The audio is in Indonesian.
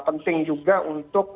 penting juga untuk